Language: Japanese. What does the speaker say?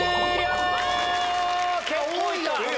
結構いった！